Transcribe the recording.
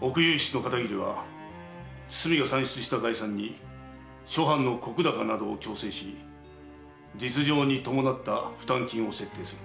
奥右筆の片桐は堤が算出した概算に諸藩の石高などを調整し実情に伴った負担金を設定する。